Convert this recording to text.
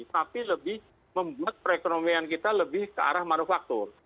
tapi lebih membuat perekonomian kita lebih ke arah manufaktur